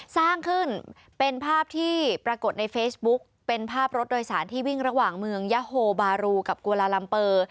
สร้างขึ้นเป็นภาพที่ปรากฏในเฟซบุ๊กเป็นภาพรถโดยสารที่วิ่งระหว่างเมืองยาโฮบารูกับกุลาลัมเปอร์